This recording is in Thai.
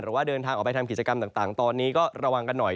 หรือว่าเดินทางออกไปทำกิจกรรมต่างตอนนี้ก็ระวังกันหน่อย